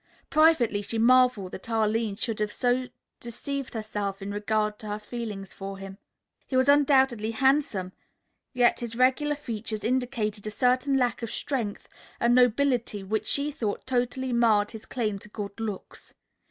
Privately she marveled that Arline should have so deceived herself in regard to her feelings for him. He was undoubtedly handsome, yet his regular features indicated a certain lack of strength and nobility which she thought totally marred his claim to good looks.